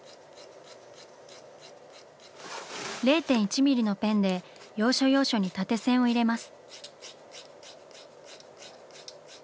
０．１ミリのペンで要所要所に縦線を入れます。